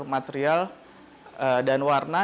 material dan warna